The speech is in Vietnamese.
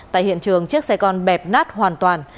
tại hiện trường chiếc xe con bẹp nát hoàn toàn